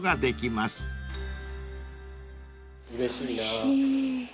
うれしいな。